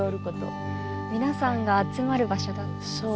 皆さんが集まる場所だったんですね。